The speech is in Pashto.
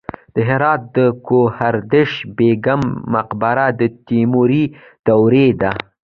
د هرات د ګوهردش بیګم مقبره د تیموري دورې ده